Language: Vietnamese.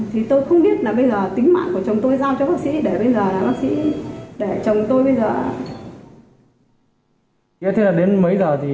thì tôi không biết là bây giờ tính mạng của chồng tôi giao cho bác sĩ để bây giờ là bác sĩ để chồng tôi bây giờ